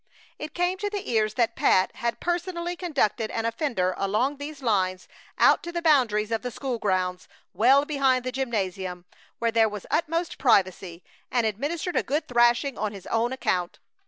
It came to their ears that Pat had personally conducted an offender along these lines out to the boundaries of the school grounds, well behind the gymnasium, where there was utmost privacy, and administered a good thrashing on his own account.